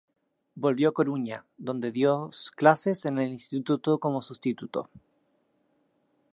Volvió a Coruña, donde dios clases en el Instituto como sustituto.